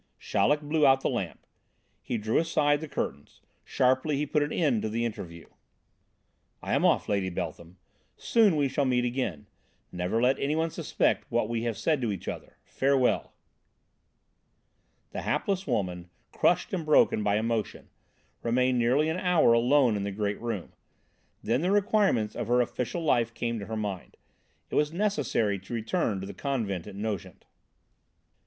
Chaleck blew out the lamp. He drew aside the curtains. Sharply he put an end to the interview: "I am off, Lady Beltham. Soon we shall meet again. Never let anyone suspect what we have said to each other Farewell." The hapless woman, crushed and broken by emotion, remained nearly an hour alone in the great room. Then the requirements of her official life came to her mind. It was necessary to return to the convent at Nogent.